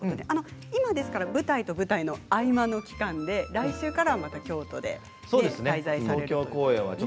今、舞台と舞台の合間の期間で、来週から、また京都で滞在されるんですね。